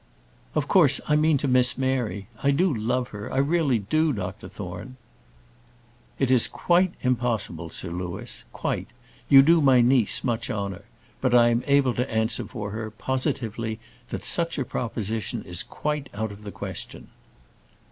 "Of course, I mean to Miss Mary: I do love her; I really do, Dr Thorne." "It is quite impossible, Sir Louis; quite. You do my niece much honour; but I am able to answer for her, positively, that such a proposition is quite out of the question."